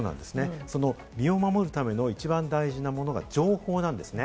その身を守るための一番大事なものが情報なんですね。